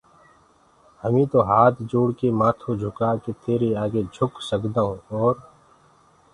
هميٚ تو هآت جوڙّڪي مآٿو جھڪآڪي تيري آگي جھڪ سگدآئو اور